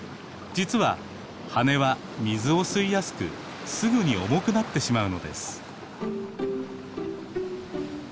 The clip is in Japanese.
実は羽は水を吸いやすくすぐに重くなってしまうのです。